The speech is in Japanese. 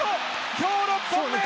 今日６本目！